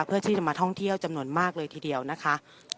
เพื่อที่จะมาท่องเที่ยวจำนวนมากเลยทีเดียวนะคะ